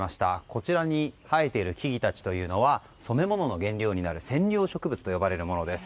こちらに生えている木々たちというのは染物の原料になる染料植物と呼ばれるものです。